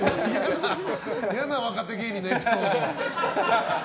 嫌な若手芸人のエピソード。